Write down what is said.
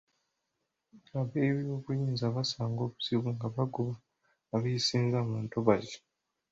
Ab'ebyobuyinza basanga obuzibu nga bagoba abeesenza mu ntobazi.